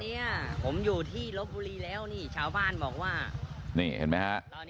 เนี้ยผมอยู่ที่ลบบุรีแล้วนี่ชาวบ้านบอกว่านี่เห็นไหมฮะตอนนี้